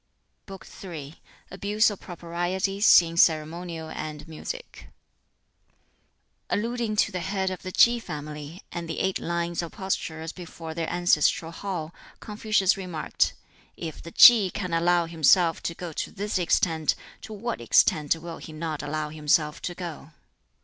] BOOK III Abuse of Proprieties in Ceremonial and Music Alluding to the head of the Ki family, and the eight lines of posturers before their ancestral hall, Confucius remarked, "If the Ki can allow himself to go to this extent, to what extent will he not allow himself to go?"